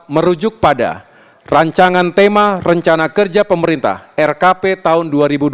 merujuk pada rancangan tema rencana kerja pemerintah rkp tahun dua ribu dua puluh